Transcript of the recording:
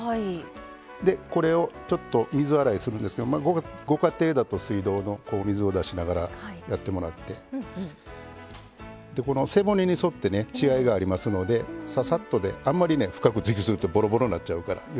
これを水洗いするんですがご家庭だと水道の水を出しながら、やってもらって背骨に沿って血合いがありますのでささっとで、あんまり深くすすぐとずるずるとなっちゃうから。